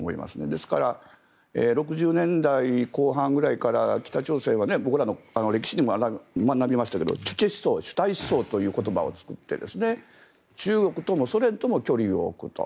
ですから１９６０年代後半ぐらいから北朝鮮は僕らの歴史でも学びましたけどチュチェ思想、主体思想という言葉を作って中国ともソ連とも距離を置くと。